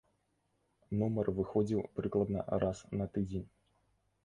Нумар выходзіў прыкладна раз на тыдзень.